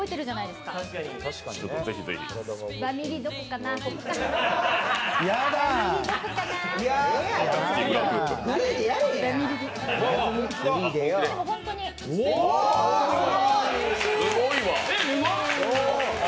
すごい！